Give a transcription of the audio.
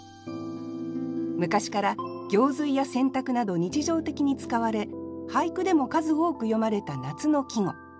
昔から行水や洗濯など日常的に使われ俳句でも数多く詠まれた夏の季語。